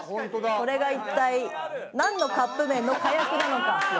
これが一体なんのカップ麺のかやくなのか？